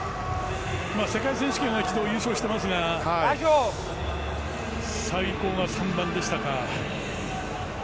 世界選手権は１度優勝してますが最高が３番でしたか。